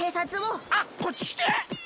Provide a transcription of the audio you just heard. あっこっちきて。